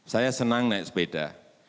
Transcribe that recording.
saya senang naik sepeda